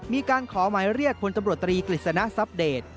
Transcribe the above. มีการขอหมายเรียกพลตำรวจตรีกฤษณะทรัพเดต